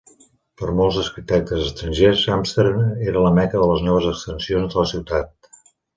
Per molts arquitectes estrangers, Amsterdam era la "Mecca" de les noves extensions de la ciutat.